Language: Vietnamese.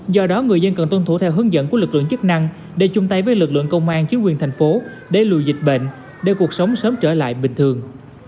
do đó người dân cần tuân thủ theo hướng dẫn của lực lượng chức năng để chung tay với lực lượng công an chiếu quyền thành phố để lùi dịch bệnh để cuộc sống sớm trở lại bình thường